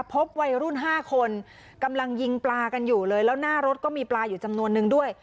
พบวัยรุ่น๕คนกำลังยิงปลากันอยู่เลยแล้วหน้ารถก็มีปลาอยู่จำนวนนึงด้วย